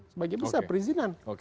sebagian besar perizinan